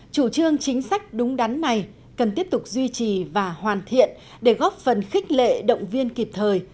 chủ trương chính sách đúng đắn này cần tiếp tục duy trì và hoàn thiện để góp phần khích lệ động viên kịp thời